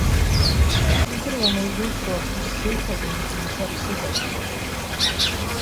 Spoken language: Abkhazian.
Исыздыруам уи злаҭыҵуа, исзеиҭагом зынӡа ԥсыӡак.